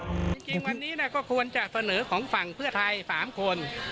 จริงวันนี้ก็ควรจะเสนอของฝั่งเพื่อไทย๓คน